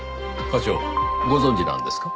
課長ご存じなんですか？